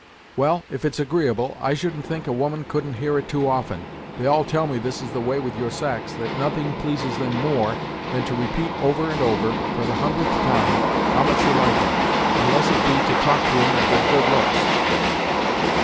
"Well, if it's agreeable, I should think a woman coul'n't hear it too often. They all tell me this is the way with your sex, that nothing pleases them more than to repeat over and over, for the hundredth time, how much you like 'em, unless it be to talk to 'em of their good looks!"